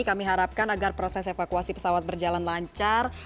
kami harapkan agar proses evakuasi pesawat berjalan lancar